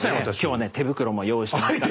今日はね手袋も用意してますからね。